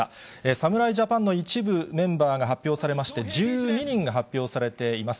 侍ジャパンの一部メンバーが発表されまして、１２人が発表されています。